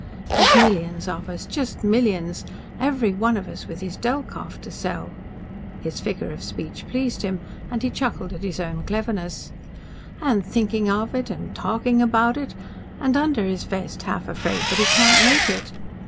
There's millions of us just millions every one of us with his Delkoff to sell " his figure of speech pleased him and he chuckled at his own cleverness "and thinking of it, and talking about it, and under his vest half afraid that he can't make it.